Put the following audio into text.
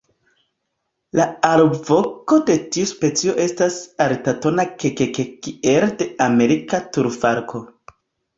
La alvoko de tiu specio estas altatona "ke-ke-ke" kiel de Amerika turfalko.